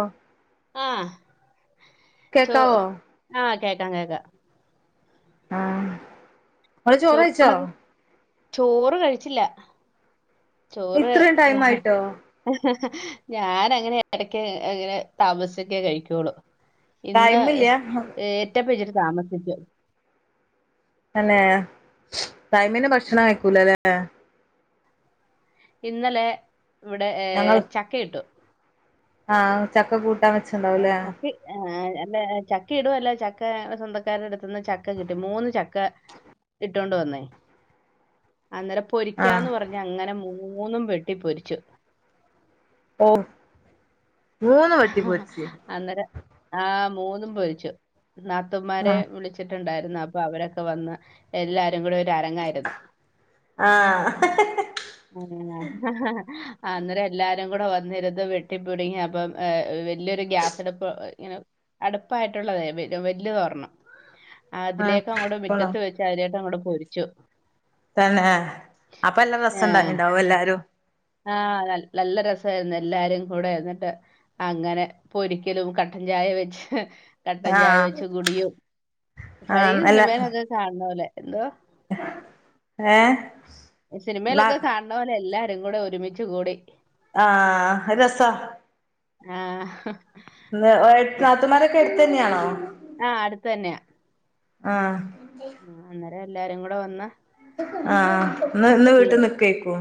O ആ ചോ കേക്കാവോ ആ കേക്കാം കേക്കാ. ആഹ്. ങ്ങള് ചോറ് കഴിച്ചോ ചോർക്ണത് ചോറ് കഴിച്ചില്ല. ഇത്രയും ടൈമായിട്ടോ? ഞാാനങ്ങനെ എടക്ക് അങ്ങനെ താമസിച്ചെ കഴിക്കൊള്ളു. ഇന്ന് ടൈമില്ല ഏറ്റപിജി താമസിച്ച്. തന്നെ ടൈമിന് ഭക്ഷണം കഴിക്കൂലല്ലേ. ഇന്നലെ ഇവിടെ ഏ ഞങ്ങൾ ചക്ക ഇട്ടു. ആഹ് ചക്ക കൂട്ടാ വെ [inaudible] ആ അല്ല ചക്ക ഇടുംല്ല ചക്ക സ്വന്തക്കാരട്‌ ത്ത്ന്ന് ചക്ക കിട്ടി മൂന്ന് ചക്ക ഇട്ടൊണ്ട് വന്നേ അന്നേര ആഹ് പൊരിക്കാന്ന് പറഞ്ഞുങ്ങനെ മൂന്നും വെട്ടി പൊരിച്ചു ഓ മൂന്ന് വട്ടി പോരിച്ച് അന്നേരം അഹ് മൂന്നും പൊരിച്ചു നാത്തുമാരെ ആഹ് വിളിച്ചു ച്ചിട്ടുണ്ടായിരുന്നു അപ്പൊ അവരൊക്കെ വന്ന് എല്ലാരും കൂടെ ഒരു അരങ്ങായിരുന്നു ആഹ് [unintelligible] ആ അന്നേരം എല്ലാരും കൂടെ വന്നിരുത് വെട്ടിപ്പടുങ്ങി അപ്പം ഏയ് വല്യൊരു ഗ്യാസഎടുപ്പ് എങ്ങനെ അടുപ്പായിട്ടുള്ളതേ വലിയ തോർണം ആഹ് അതിലേക്ക അങ്ങോടെ കൊള്ളാം മുറ്റത്ത് വെച്ച അതിലേക്ക അങ്ങോടെ പൊരിച്ചു തന്നെ അപ്പൊ എല്ലാം രസം ഉണ്ടായി എല്ലാരും ആഹ് നല്ല രസമായിരുന്നു എല്ലാരും കൂടെ ന്നിട്ട് അങ്ങനെ പൊരിക്കലും കട്ടൻ ചായ വെച്ച് കട്ടൻ ചായ ആഹ് വെച്ച് കുടിയും ആഹ് [unintelligible] നല്ല സിനിമയിലൊക്കെ കാണുന്ന പോലെ എന്തോ ഏഹ് ഈ ന സിനിമയിലൊക്കെ കാണണ പോലെ എല്ലാരും കൂടെ ഒരുമിച്ച് കൂടി ആഹ് അത് രസ ആഹ് നാത്തുമാരൊക്കെ എടുത്തു തന്നെയാണോ ആഹ് അടുത്ത തന്നെയാ ആഹ് ആ അന്നേരം എല്ലാരും കൂടെ വന്ന ആഹ് ആഹ് ഇന്ന് വീട്ടിൽ നിക്കേക്കൂ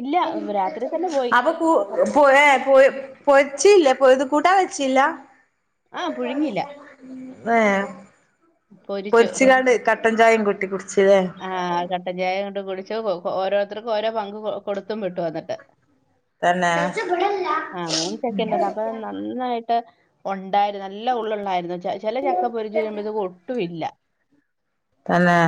ഇല്ല രാത്രി തന്നെ പോയി അപ്പൊ കൂ പ- പോ ഏയ് പോയി പൊയിച്ചിട്ടില്ല കൂട്ടാൻ വെച്ചില്ല ആ പുഴുങ്ങില്ല വേയ് പൊരിച്ചു പൊരിച്ച് കാണ്ട് കട്ടൻ ചായയും കൂട്ടി കുടിച്ചതേ ആഹ് കട്ടൻ ചായ കൊണ്ട് കുടിച്ച് ഓരോരുത്തർക്കും ഓരോ പങ്ക് കൊടുത്തും വിട്ടു വന്നിട്ട് തന്നെ ആഹ് മൂന്ന് സെക്കൻഡ് അപ്പൊ നന്നായിട്ട് ഉണ്ടായിരുന്നു നല്ല ഉള്ള യിരുന്നു ച ചില ചക്ക പൊരിച്ചു കഴിയുമ്പോഴത്തേക്കും ഒട്ടും ഇല്ല തന്നെ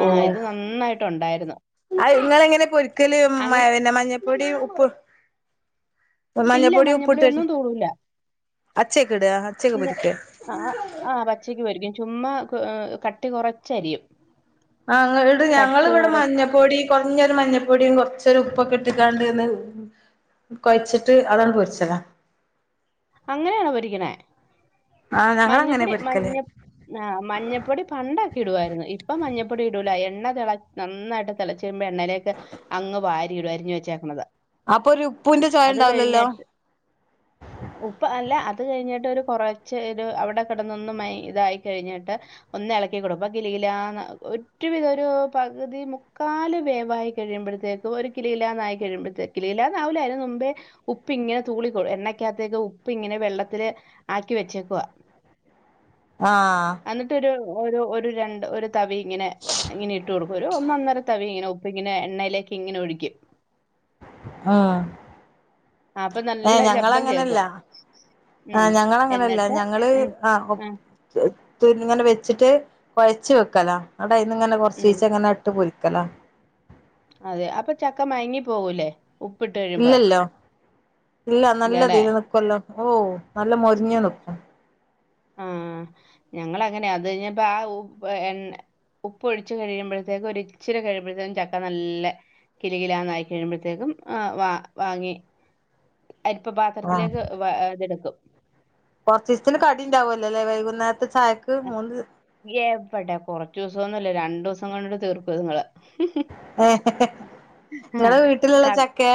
ആഹ് ഇത് നന്നായിട്ടുണ്ടായിരുന്നു ആ ഇങ്ങള് എങ്ങനെ പൊരിക്കല് അങ്ങനെ പിന്നെ മഞ്ഞപ്പൊടി ഉപ്പ് [unintelligible] ഇല്ല മഞ്ഞൾപ്പൊടി മഞ്ഞപ്പൊടി ഉപ്പിട്ടട്ട് ഒന്നും തൂളില്ല അച്ചയ്ക്ക ഇട അച്ചയ്ക്ക് പൊരിക്ക ആഹ് ആഹ് പച്ചക്ക് പൊരിക്കും ചുമ്മാ കട്ടി കുറച്ചരിയും ആഹ് ഇട് ഞങ്ങള് കട്ടി ഇവിടെ കുറ മഞ്ഞ പൊടി കുറഞ്ഞൊരു മഞ്ഞൾപ്പൊടിയും കുറച്ചൊ ഒരു ഉപ്പൊക്കെ ഇട്ടക്കാണ്ട്ന്ന് കൊഴച്ചിട്ട് അതാണ് പൊരിച്ചതാ അങ്ങനെയണ പൊരിക്കുന്ന ആഹ് ഞങ്ങളങ്ങനെ മഞ്ഞപ്പൊടി പൊരിക്കല് മഞ്ഞ ആഹ് മഞ്ഞപ്പൊടി പണ്ടൊക്കെ ഇടുവായിരുന്നു ഇപ്പ മഞ്ഞപ്പൊടി ഇടൂല എണ്ണ തിള നന്നായിട്ട് തിളച്ച വരുമ്പോ എണ്ണയിലേക്കെ അങ് വാരിടും അരിഞ് വെച്ചേക്കണുന്നത് അപ്പൊ ഒരു ഉപ്പൂന്റെ ചോയ ഉണ്ടാവില്ലല്ലോ ഉപ്പ് അല്ല അത് കഴിഞ്ഞിട്ട് ഒരു കുറച്ച് ഒരു അവിടെ കിടന്നൊന്നും മ ഇതായി കഴിഞ്ഞിട്ട് ഒന്ന് ഇളക്കിക്കൊടും പക്കല്ലില്ല ഒറ്റവിധം ഒരു പകുതി മുക്കാൽ വേവായി കഴിയുമ്പോഴത്തേക്ക് ഇപ്പ ഒരു കിലില്ലാന്നായിയി കഴുമ്പഴേ കിലില്ലാന്നാവില്ല അതിന് മുമ്പേ ഉപ്പി ഇങ്ങനെ തൂളിക്കും എണക്ക ഉപ്പ് ഇങ്ങനെ വെള്ളത്തില് ആക്കി വെച്ചേക്കുക. ആഹ എന്നിട്ട് ഒരു രണ്ട് ഒരു തവി ഇങ്ങനെ. ഇങ്ങനെ ഇട്ട് കൊടുക്കും ഒരു ഒന്ന അന്നര തവി ഇങ്ങനെ ഉപ്പി ഇങ്ങെ എണ്ണയിലേക്ക് ഇങ്ങനെ ഒഴിക്കും. ഉം അപ്പൊ ഏ നല്ല ഞങ്ങൾ ശബ്ദം അങ്ങനെല്ല കേൾക്കും ആ് ഉം ഞങ്ങ അങ്ങനെയല്ല എന്നിട്ട് ഞങ്ങള് ഉം ആ ഇങ്ങനെ വെച്ചിട്ട് കുഴച്ച് വെക്ലല ഇന്നട് അഇന്ന് ഇങ്ങനെ കൊറച്ച ഉം ചീച്ച അങ്ങനെ നട്ട് പൊരിക്കലാ. അതെ അപ്പൊ ചക്ക മയങ്ങി പോകൂല്ലേ ഉപ്പിട്ട് കഴിയുമ്പോ. ഇല്ലല്ലോ ഇല്ല നല്ല ഇല്ലല്ലെ തീല് നക്കുവല്ലോ ഓ നല്ല മൊരിഞ് നിക്കും. ഞങ്ങള് അങ്ങനെ അത് കഴിഞ്ഞപ്പോ ആ എണ് ഉപ്പ് ഒഴിച്ചച്ച് കഴിയുമ്പോഴത്തേക്കും. ഒരുരിച്ചിരി കഴിയ്പഴേക്കും ചക്ക നല്ല കിലുകിലാ നായി കഴിയുമ്പോഴത്തേക്കും വാ വാങ്ങി. അരിപ്പ പാത്രത്തിലേക് വ ഇതെടുക്കും കൊറച്ചി ദിവസത്തിന് കടി ഉണ്ടാവല്ലോ അല്ലെ വൈകുന്നേരത്തെ ചായക്ക്. മൂന്ന് എവട്ടൊ കൊറച്ച് ദിവസംന്നുംല്ല രണ്ടു ദിവസം കൊണ്ടിട്ട് തീർക്കു നിങ്ങള്. ഏ നിങ്ങളടെ വീട്ടിലുള്ള ചക്കയ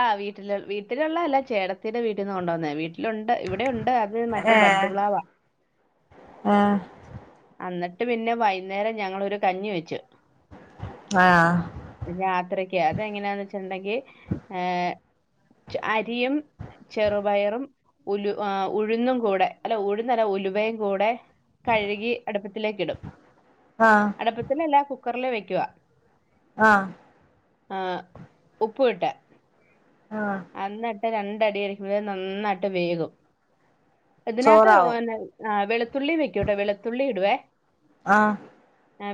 ആഹ വീട്ടിൽ വീട്ടിലുള്ള അല്ല ചേട്ടത്തിന്റെ വീട്ടിൽ നിന്ന് കൊണ്ടോന്നേ വീട്ട. ഇുണ്ട് ഇവിടെ ഉണ്ട് അത് മറ്റേ ബഡ്പ്ളവാ ആഹ് എന്നിട്ട് പിന്നെ വൈകുന്നേരം ഞങ്ങളൊ ഒരു കഞ്ഞി വെച്ചു. ആഹ് യാത്രക്ക് അതെങ്ങനെയാന്ന് വെച്ചിട്ടുണ്ടെങ്കിൽ ഏർ അരിയും. ചെറുപയറും ഉലു ഉഴുന്നും കൂടെ അല്ല ഉഴുന്നല്ല ഉലുവയും കൂടെ. കഴുകി അടുപ്പത്തിലേക്ക് ഇടും ആഹ് അടുപ്പത്തിലല്ല കുക്കറില് വെക്കവാ. ആഹ് ആ് ഉപ്പ് ഇട്ട് ആഹ് എന്നന്നിട്ട് രണ്ടടിടരിക്കുമ്പോൾ നന്നായിട്ട് വേകും. ചോറാവും ഇതിനകത്ത്ന്ന ആഹ് വൊത്തുള്ളി വെക്കോട്ടെ വെളുത്തുള്ളി ഇടുവേ. ആഹ്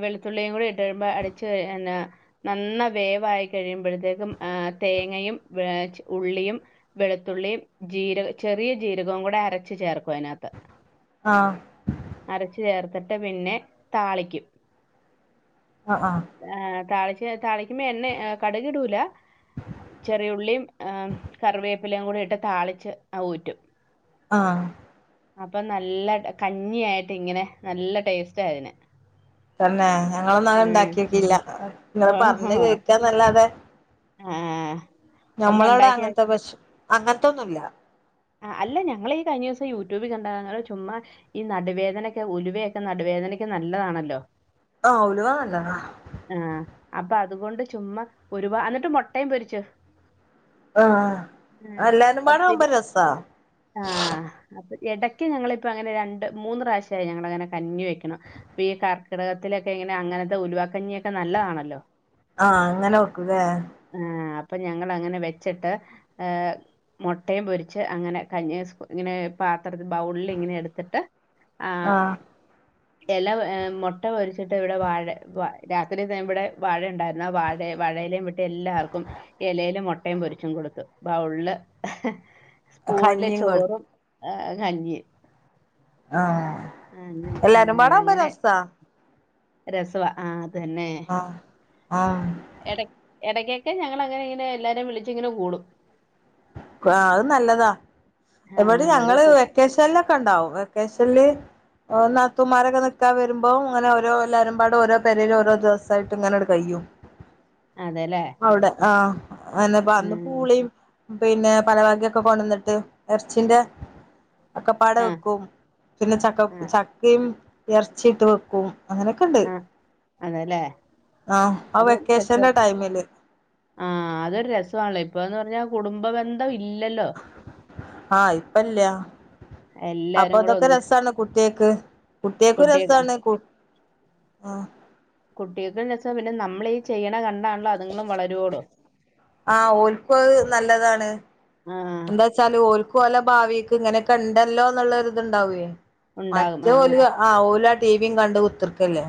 വെളുത്തുള്ളിയും കൂടി ഇട്ടടുമ്പോ അടച്ച് എന്നന നന്ന വേവായി കഴിയുമ്പോഴത്തേക്കും ആർ തേങ്ങയും വൊ ഉള്ളിയും. വെളുത്തുള്ളിയും ജീരക ചെറിയ ജീരകവും കൂടെ അരച്ചു ചേർക്കും അതിനകത്ത്. ആഹ് അരച്ചു ചേർത്തിട്ട് പിന്നെ താളിക്കും. ആഹ് ആ ആ് താ താളിക്കുമ്പോ എണ്ണ കടുകി ഇടൂല ചെറിയുള്ളിയും. കറിവേപ്പിലയും കൂടി ഇട്ട് താളിച്ച് അ ഊറ്റും. ആഹ് അപ്പൊ നല്ല കഞ്ഞി ആായിട്ട് ഇങ്ങനെ നല്ല ടേസ്റ്റ് ആയതിന്. തന്നെ ഞങ്ങളൊന്നും അങ്ങനെ ഉണ്ടാക്കിക്കില്ല. നിങ്ങൾ പറഞ്ഞഞ് കേക്കാ എന്നല്ലാതെ. ആഹ് നമ്മളവിടെ അങ്ങനത്തെ പശ അങ്ങനത്തെന്നുമല്ല. ആ അല്ല ഞങ്ങൾ ഈ കഴിഞ്ഞ ദിവസം യൂട്യൂബിൽ കണ്ടാ. ങ്ങങ്ങള് ചുമ്മാ ഈ നടുവേദനക്കെ ഉലുവൊക്കെ നടുവേദനക്ക് നല്ലതാണല്ലൊ ആഹ് ഉലുവ നല്ലതാ ആഹ് അപ്പൊ അതുകൊണ്ട് ചുമ്മാ ഒരുപാ അന്ന്ട്ട് മൊട്ടയും പൊരിച്ചു ആഹ് ആഹ് എല്ലാരുമ്പാടാവുമ്പൊ പത്തിരി രസാ ആഹ് അപ്പൊ എടയ്ക്ക് ഞങ്ങളിപ്പോ അങ്ങനെ രണ്ട് മൂന്ന് റാശ്യായി ഞങ്ങളങ്ങനെ കഞ്ഞി വെക്ക്ണു ഇപ്പീ കർക്കിടകത്തിലൊക്കെ ഇങ്ങനെ അങ്ങനത്തെ ഉലവാക്കഞ്ഞിയൊക്കെ നല്ലതാണല്ലോ ആഹ് അങ്ങനെ വെക്കും ല്ലെ ആഹ് അപ്പം ഞങ്ങളങ്ങനെ വെച്ച്ട്ട് ഏ മൊട്ടയും പൊരിച്ച് അങ്ങനെ കഞ്ഞി ഇങ്ങനെ പാത്രത്തി ബൗളിലിങ്ങനെ എട്ത്തിട്ട് ആ ആഹ് എല ഏ മൊട്ട പൊരിച്ചിട്ട് ഇവടെ വാഴ വ രാത്രി തെ ഇവടെ വാഴണ്ടായിര്ന്നു ആ വാഴ വാഴലേ വെട്ടി എല്ലാർക്കും എലേല് മൊട്ടയും പൊരിച്ചും കൊടുത്തു ബൗള്ല് ഹ് സ്പൂണിലെ കഞ്ഞിയും കൊടുത്ത് ചോറും കഞ്ഞിയും ആഹ് ആ, അങ്ങനെ എല്ലാരുമ്പാടാവുമ്പൊ രെസാ രസുവാ ആഹ് അതെന്നെ ആഹ് ആഹ് എട എടയ്ക്കൊക്കെ ഞങ്ങളങ്ങനെ ഇങ്ങനെ എല്ലാരേം വിളിച്ച്ങ്ങനെ കൂടും ആഹ് അത് നല്ലതാ ആ ഇവിടിം ഒരു ഞങ്ങള് കു- വെക്കേഷൻലൊക്കെണ്ടാവും വെക്കേഷൻല് ഓ നാത്തൂമ്മാരൊക്കെ നിക്കാൻ വെരുമ്പോ അങ്ങനെ ഓരോ എല്ലാരുമ്പാടെ ഓരോ പെരേല് ഓരോ ദിവസ്സായിട്ട് ഇങ്ങനങ്ങട്ട് കയ്യും [inaudible] അതെല്ലേ അവടെ ആഹ് എന്നപ്പ അന്ന് ഉം. പൂളീം പിന്നെ പല വകക്കെ കൊണ്ടന്ന്ട്ട് എർച്ചിന്റെ ഒക്കെപ്പാടെ ആ വെക്കും പിന്നെ ചക്ക ആ കൂ ചക്കയും എർച്ചിട്ട് വെക്കും അങ്ങനൊക്കെണ്ട് ആ അതെല്ലേ ആ ആ വെക്കേഷന്റെ ടൈമില് ആഹ് അതൊരു രസാണല്ലോ ഇപ്പൊന്ന് പർഞ്ഞാ കുടുംബ ബന്ധം ഇല്ലല്ലോ ആഹ് ഇപ്പല്ല എല്ലാരും കൂടെ അപ്പതൊക്കെ ഒന്നിച്ച് രസാണ് കുട്ട്യാക്ക് കുട്ട്യാക്കും കുട്ടിയെ രസാണ് കു ആഹ് കുട്ട്യാക്കും രസ പിന്നെ നമ്മളീ ചെയ്യ്ണ കണ്ടാണല്ലോ അതുങ്ങളും വളരുള്ളു ആഹ് ഓൽക്കും അത് നല്ലതാണ് ആഹ് ച്ചാല് ഓൽക്കോല ഭാവീക്ക് ഇങ്ങനെക്കെണ്ടല്ലോന്ന്ള്ളരിത്ണ് വേ ഉണ്ടാകും മറ്റേ ആഹ് ഓല് ആഹ് ഓലാ ടിവിം കണ്ട് കുത്ത്ർക്കല്ലേ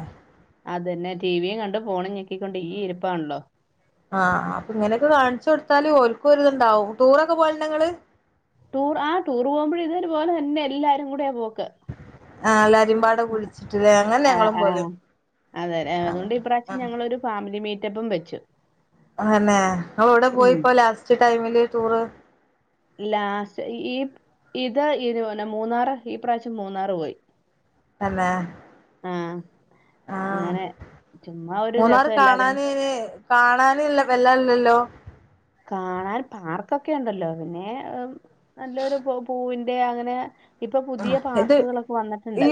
അതെന്നെ ടിവിം കണ്ട് ഫോണും ഞെക്കിക്കൊണ്ട് ഈ ഇരിപ്പാൺല്ലോ ആഹ് അപ്പൊ ഇങ്ങനൊക്കെ കാണിച്ചൊട്ത്താല് ഓൽക്കൊരുത്ണ്ടാവും ടൂറൊക്കെ പോവൽണ്ടോ ഇങ്ങള് ടൂർ ആ ടൂർ പോകുമ്പഴേ ഇതൊര് പോലെ തന്നെ എല്ലാരും കൂടിയാ പോക്ക് ആഹ് എല്ലാരിമ്പാടെ വിളിച്ചിട്ട്ലേ അങ്ങനെ ഞങ്ങളും പോവല് അതെലെ ആ അതോണ്ട് ആ ഇപ്രാവശ്യം ഞങ്ങളൊരു ഫാമിലി മീറ്റപ്പും വെച്ചു അതെന്നെ ഇങ്ങള് എവടെ ഉം പോയിപ്പോ ലാസ്റ്റ് ടൈമില് ടൂറ് ലാസ്റ്റ് ഈ ഇത് ഇത് പോനെ മൂന്നാറ് ഈ പ്രാശ്യം മൂന്നാറ് പോയി തന്നെ ആഹ് ആഹ് അങ്ങനെ ചുമ്മാ ഒരു മൂന്നാറ് രസം എല്ലാരും കാണാന് ന് ന് കാണാന് വല്ലാ ഇല്ലല്ലോ കാണാൻ പാർക്കൊക്കെ ഉണ്ടല്ലോ പിന്നെ നല്ലൊരു പൂവിന്റെ അങ്ങനെ ഇപ്പൊ പുതിയ പാർക്കുകളൊക്കെ വന്നിട്ടുണ്ട്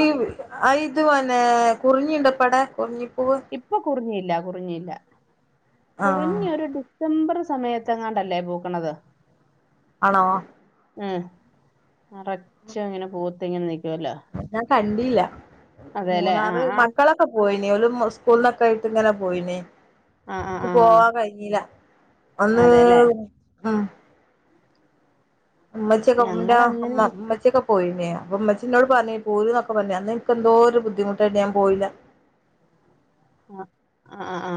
ആ ഇത് അന്നെ കുറിഞ്ഞി ഉണ്ടോ ഇ പ്പടെ കുറിഞ്ഞിപ്പൂവ് ഇപ്പ കുറിഞ്ഞില്ല കുറിഞ്ഞില്ല ആഹ് കുറിഞ്ഞി യൊരു ഡിസം ഡിസംബർ സമയത്തെ ങ്ങാണ്ടല്ലേ പൂ ക്കണത് ആണോ ഉം നിറച്ചും ഇങ്ങനെ പൂത്തിങ്ങനെ നീക്കുവല്ലോ ഞാൻ കണ്ടില്ല ആ മൂന്നാറ് ആ മക്കളൊ കേ പോയിനീ ഓൽ സ്കൂളന്നൊക്കെയിട്ട് ഇങ്ങനെ പോയിനീ ആ എനിക്ക് ആ ആ പോവാൻ കഴിഞ്ഞില്ല അന്ന് അതെല്ലേ ഉം ഉമ്മച്ചി യൊക്കെ ഇൻ്റെ ഞങ്ങൾ അങ്ങനെ മ്മമ്മ ഒരു- മച്ചിക്കെ പോയിനു അപ്പൊമ്മച്ചി എന്നോട് പറ പോരൂ ന്നൊക്കെ പറഞ്ഞാ അന്ന് എനിക്ക് എന്തോ ഒരു ബുദ്ധിമുട്ടായിട്ടു ഞാൻ പോയില്ല ആ ആ ആ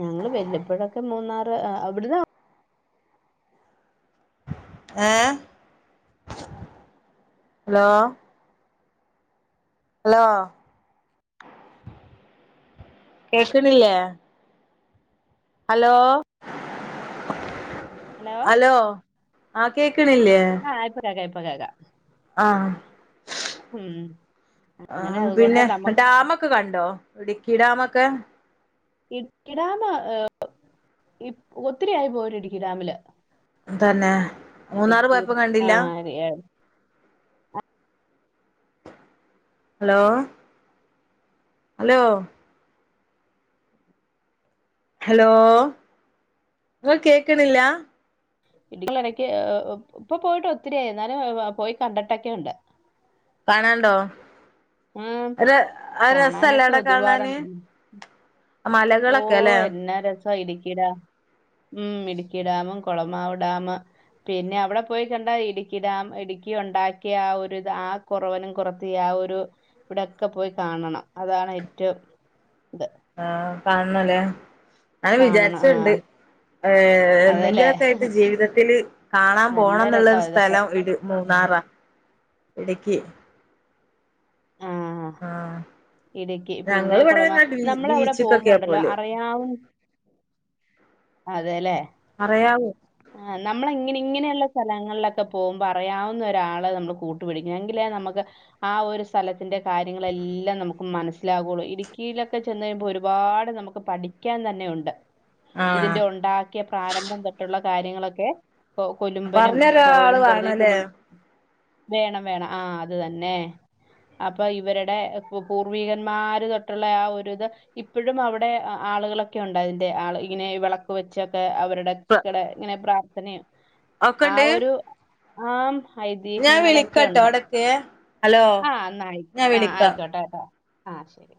ഞങ്ങൾ വല്ലപ്പോഴൊക്കെ മൂന്നാറ് അവിടുന്ന് ഏ ഹലോ ഹലോ കേൾക്കണില്ലേ ഹലോ ഹലോ ആ കേക്കണില്ലേ ആ ഇപ്പൊ കേക്കാം ഇപ്പൊ കേക്കാം ആ ഉം അങ്ങനെ അതുകൊണ്ട് പിന്നെ നമുക്ക് ഡാമൊക്കെ ക്കെ കണ്ടോ ഇടുക്കിടാമൊക്കെ ഇടുക്കി ഡാമ ഒത്തിരിയായി പോയിട്ട് ഇടുക്കി ഡാമില്. തന്നെ മൂന്നാറ് പോയപ്പോ കണ്ടില്ല? ശരിയ. ഹലോ. ഹലോ. ഹലോ ഇങ്ങള് കേക്കണില്ല? [unintelligible] ഇപ്പൊ പോയിട്ട് ഒത്തിരിയായി എന്നാലും പോയി കണ്ടിട്ടൊക്കെയുണ്ട്. കാണാണ്ടോ ഉം ആ രസല്ലെ കാണാനൊക്കെ അവിടെ കാണാന്. ഒരുപാടുണ്ടല്ലോ ഓ മലകളൊക്കെ അല്ലെ എന്നാ രസ ഇടുക്കി ഡാം. ഉം ഇടുക്കി ഡാമും കുളമാവ് ഡാമ്. പിന്നെ അവിടെ പോയി കണ്ടാ ഇടുക്കി ഡാം ഇടുക്കി ഉണ്ടാക്കിയ ആ ഒരു ആ കുറവനും കുറത്തിയും ആ ഒരു ഇവിടെക്കെ പോയി കാണണം അതാണ് ഏറ്റവും ഇത് ആഹ് കാണണംല്ലേ അങ്ങനെ കാണണം ആ വിചാരിച്ച്ണ്ട്. ഏഹ് എന്നെങ്കിലും അതല്ലേ ഒക്കെ ആയിട്ട് ജീവിതത്തില് കാണാൻ നല്ല പോണം രസാ എന്നുള്ളരു ഇതൊക്കെ സ്ഥലം ഇടു മൂന്നാറാ ഇടുക്കി. [unintelligible] ആ ഇടുക്കി പിന്നെ ഞങ്ങള് ഇവിടെ കുളമ തന്നെ നമ്മൾ അവിടെ ബീച്ചക്കൊക്കെയാ പോകുമ്പോണ്ടല്ലോ പോവല് അറിയാവുന്ന അതെല്ലേ. പറയാവു. ആ നമ്മള് ഇങ്ങനെ ഇങ്ങനെയുള്ള സ്ഥലങ്ങളിലൊക്കെ പോകുമ്പോ അറിയാവുന്ന ഒരാള് നമ്മൾ കൂട്ട എങ്കിലെ നമുക്ക് ആ ഒരു സ്ഥലത്തിന്റെ കാര്യങ്ങളെല്ലാം നമുക്ക് മനസ്സിലാവുകയുള്ളൂ ഇടുക്കിയിലൊക്കെ ചെന്ന് കഴിയുമ്പോൾ ഒരുപാട് നമുക്ക് പഠി പഠിക്കാൻ തന്നെയുണ്ട് ആ ഇതിന്റെ ഉണ്ടാക്കിയ പ്രാരംഭം തൊട്ടുള്ള കാര്യങ്ങളൊക്കെ. കൊ കൊല്ലുമ്പനും പറഞ്ഞ ഒരാള് കുറവനും കൊറത്തിയും വേണല്ലേ കൊല്ലും വേണം വേണം ആ അത് തന്നെ. ഇപ്പൊ ഇവരുടെ പൂർവികന്മാര് തൊട്ടുള്ള ആ ഒരിത്. ഇപ്പോഴും അവിടെ ആളുകളൊക്കെ ഉണ്ടോ അതിന്റെ ആ ഇങ്ങനെ വിളക്ക് വെച്ചൊക്കെ അവരുടെ ഇടക്കിടെ ഇങ്ങനെ പ്രാർത്ഥനയും ഒക്കെ ആ ഉണ്ട് ഒരു ആ ഞാൻ ഐതിഹ്യങ്ങളൊക്കെ വിളിക്കാട്ടോ ഉണ്ട് അവിടെ നിക്കേ ഹലോ ഞാൻ വിളിക്കാം. ആഹ് ശരി.